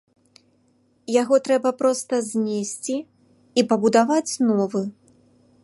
Яго трэба проста знесці і пабудаваць новы.